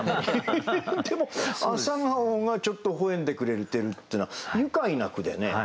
でも朝顔がちょっとほほ笑んでくれてるっていうのは愉快な句でね。